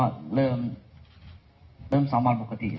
ตอนนี้ก็เริ่มซ้อมบ้านปกติครับ